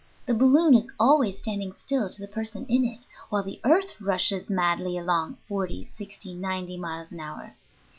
The balloon is always standing still to the person in it, while the earth rushes madly along, forty, sixty, ninety miles an hour.